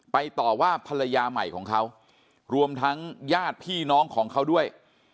ต่อว่าภรรยาใหม่ของเขารวมทั้งญาติพี่น้องของเขาด้วย